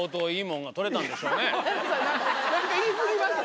なんか言いすぎました。